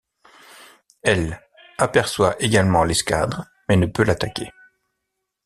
L' aperçoit également l'escadre mais ne peut l'attaquer.